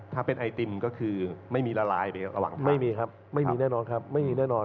ถ้าเป็นไอติมก็คือไม่มีละลายไประหว่างไม่มีครับไม่มีแน่นอนครับไม่มีแน่นอน